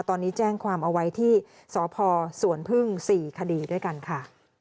ตอนนี้แจ้งความเอาไว้ที่สพสวนพึ่ง๔คดีด้วยกันค่ะ